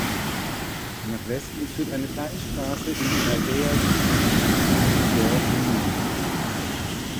Nach Westen führt eine kleine Straße in die Aldeia Civil und dem Dorf Munoboi.